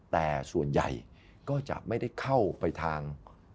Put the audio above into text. แต่ส่วนใหญ่ก็จะไม่ได้เข้าไปทาง